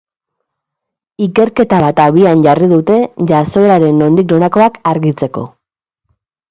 Ikerketa bat abian jarri dute jazoeraren nondik norakoak argitzeko.